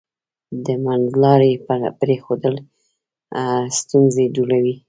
د منځلارۍ پریښودل ستونزې جوړوي.